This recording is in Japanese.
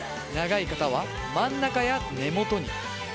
長い方は真ん中や根元に。